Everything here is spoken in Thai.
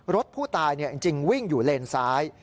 รถผู้ตายจริงวิ่งอยู่เลนซ้าย